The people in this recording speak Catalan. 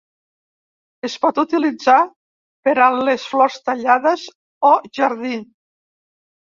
Es pot utilitzar per a les flors tallades o jardí.